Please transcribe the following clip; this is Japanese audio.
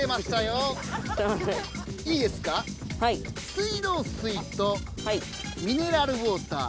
水道水とミネラルウォーター